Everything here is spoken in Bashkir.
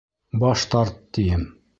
Баш тарт, тием!